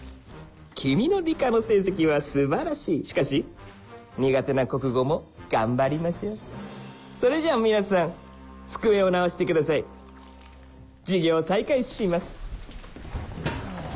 君の理科の成績は素晴らしいしかし苦手な国語も頑張りましょうそれじゃあ皆さん机を直してください授業を再開します